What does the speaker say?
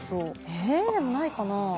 えでもないかな。